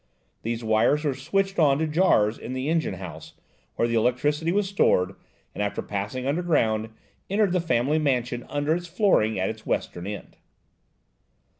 These wires were switched on to jars in the engine house, where the electricity was stored, and, after passing underground, entered the family mansion under its flooring at its western end.